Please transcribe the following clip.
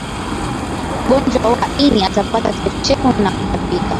mgonjwa wa ini atapata kichefuchefu na kutapika